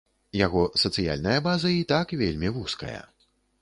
Яго сацыяльная база і так вельмі вузкая.